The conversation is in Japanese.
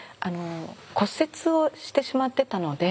骨折をしてしまってたので。